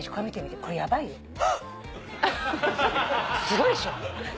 すごいっしょ？